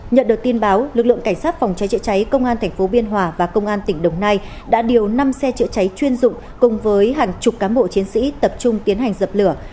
nhận được tin báo lực lượng cảnh sát phòng cháy chữa cháy công an tp biên hòa và công an tỉnh đồng nai đã điều năm xe chữa cháy chuyên dụng cùng với hàng chục cán bộ chiến sĩ tập trung tiến hành dập lửa